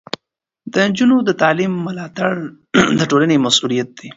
د نجونو د تعلیم ملاتړ د ټولنې مسؤلیت دی.